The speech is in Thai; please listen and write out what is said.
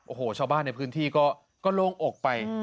โอ้โหชาวบ้านในพื้นที่ก็โล่งอกไป